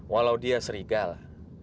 walau dia serigala